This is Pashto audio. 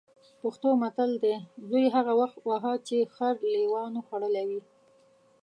پښتو متل: زوی هغه وخت وهه چې خر لېوانو خوړلی وي.